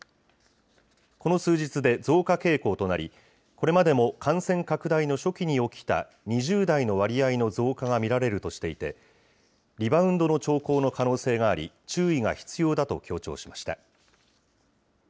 この数日で増加傾向となり、これまでも感染拡大の初期に起きた２０代の割合の増加が見られるとしていて、リバウンドの兆候の可能性があり、注意が必要だと強調しました。